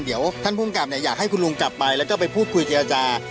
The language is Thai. เดี๋ยวท่านภูมิกลับเนี้ยอยากให้คุณลุงกลับไปแล้วก็ไปพูดคุยกันอาจารย์